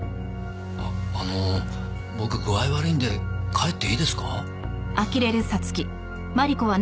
あの僕具合悪いんで帰っていいですか？